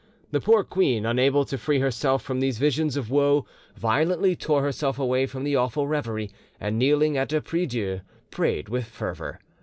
The poor queen, unable to free herself from these visions of woe, violently tore herself away from the awful reverie, and kneeling at a prie dieu, prayed with fervour.